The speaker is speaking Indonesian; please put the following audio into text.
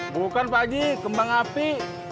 bukan pakji kembang api